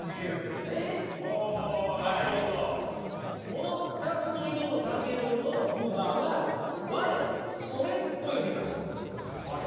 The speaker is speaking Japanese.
この２つの井戸の関係のことをブーバーは「我−それ」と呼びました。